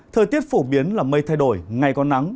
thời tiết phổ biến là mây thay đổi ngày có nắng